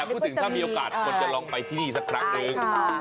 พูดถึงถ้ามีโอกาสคนจะลองไปที่นี่สักครั้งนึง